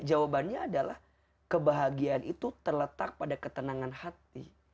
jawabannya adalah kebahagiaan itu terletak pada ketenangan hati